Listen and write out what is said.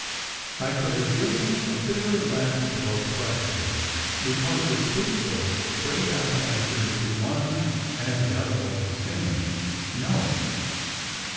I could have given a bitter laugh to both questions, be cause the truthful, straight out answer to one and the other was the same: "No!"